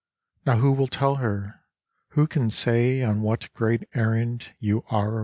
Now who will tell her, Who can say On what great errand You are away?